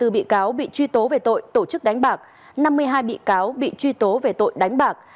hai mươi bị cáo bị truy tố về tội tổ chức đánh bạc năm mươi hai bị cáo bị truy tố về tội đánh bạc